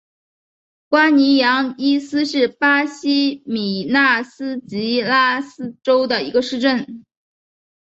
瓜尼扬伊斯是巴西米纳斯吉拉斯州的一个市镇。